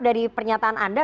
dari pernyataan anda